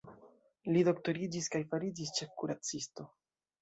Li doktoriĝis kaj fariĝis ĉefkuracisto.